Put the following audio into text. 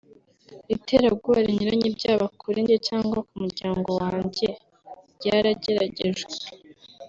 iterabwoba rinyuranye byaba kuri njye cyangwa ku muryango wanjye ryarageragejwe